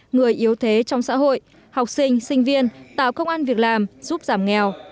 người yếu thế trong xã hội học sinh sinh viên tạo công an việc làm giúp giảm nghèo